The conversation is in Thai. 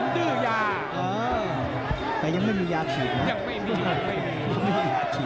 ดื้อยาอ๋อแต่ยังไม่มียาฉีดนะยังไม่มีไม่มี